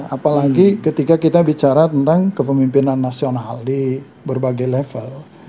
apalagi ketika kita bicara tentang kepemimpinan nasional di berbagai level